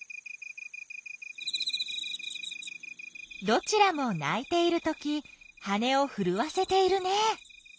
どちらも鳴いているとき羽をふるわせているね。